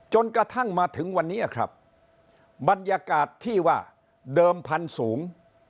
จนกระทั่งมาถึงวันนี้ครับบรรยากาศที่ว่าเดิมพันธุ์สูง